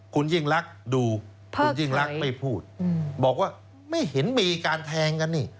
คุณยิ่งรักดูคุณยิ่งรักไม่พูดบอกว่าไม่เห็นมีการแทงกันนี่